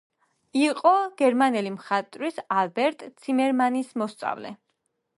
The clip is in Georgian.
იყო გერმანელი მხატვრის ალბერტ ციმერმანის მოსწავლე.